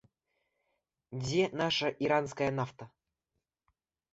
Дзе наша іранская нафта?